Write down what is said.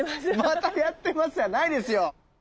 「またやってます」じゃないですよ！